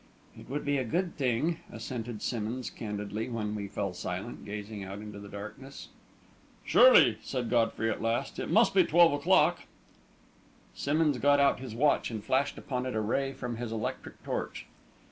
"It would be a good thing," assented Simmonds, candidly; and then we fell silent, gazing out into the darkness. "Surely," said Godfrey, at last, "it must be twelve o'clock." Simmonds got out his watch and flashed upon it a ray from his electric torch.